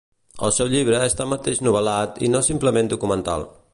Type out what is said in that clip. El seu llibre és tanmateix novel·lat i no simplement documental.